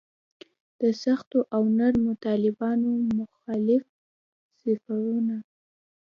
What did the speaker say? د سختو او نرمو طالبانو مختلف صفونه.